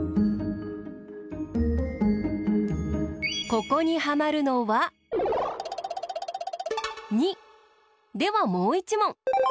ここにはまるのは２！ではもう１もん。